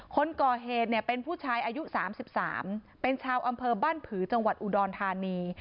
คนก่อเหตุเนี่ยเป็นผู้ชายอายุ๓๓เป็นชาวอำเภอบ้านผือจังหวัดอุดรธานี